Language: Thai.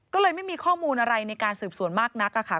ก็เลยไม่มีข้อมูลอะไรในการสืบสวนมากนักค่ะ